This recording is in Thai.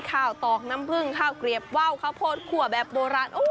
ข้าวตอกน้ำพึ่งข้าวกรีบวาวข้าวโพดขัวแบบโบราณ